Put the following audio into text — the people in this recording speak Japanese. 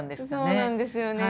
そうなんですよね。